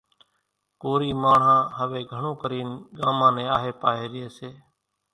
ڪورِي ماڻۿان هويَ گھڻون ڪرينَ ڳامان نيَ آۿيَ ريئيَ سي۔